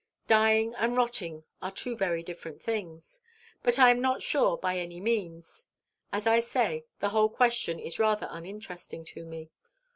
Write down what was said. Dying and rotting are two very different things. But I am not sure by any means. As I say, the whole question is rather uninteresting to me.